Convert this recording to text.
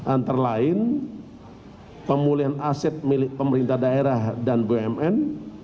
antara lain pemulihan aset milik pemerintah daerah dan bumn